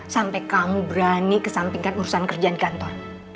sampai kamu berani kesampingkan urusan kerja di kantor